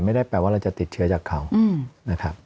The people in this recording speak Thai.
ไม่ได้แปลว่าเราจะติดเชื้อจากเขานะครับ